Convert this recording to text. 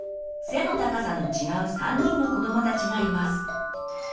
背の高さの違う３人の子どもたちがいます。